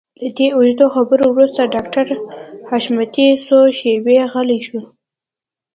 له دې اوږدو خبرو وروسته ډاکټر حشمتي څو شېبې غلی شو.